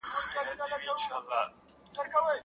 د مرغانو په کتار کي راتلای نه سې-